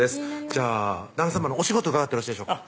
じゃあ旦那さまのお仕事伺ってよろしいでしょうか